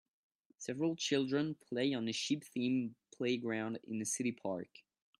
Several children play on a ship themed playground in a city park